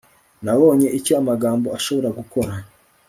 nabonye icyo amagambo ashobora gukora